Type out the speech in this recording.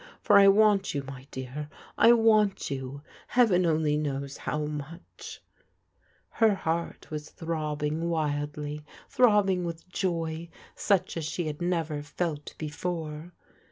For I want you, my dear, I want you, heaven only knows how much I " Her heart was throbbing wildly, throbbing with joy such as she had never felt before.